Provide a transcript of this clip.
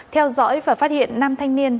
theo dõi và phát hiện năm thanh niên